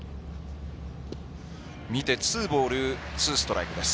見てツーボールツーストライクです。